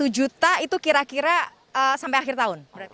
satu juta itu kira kira sampai akhir tahun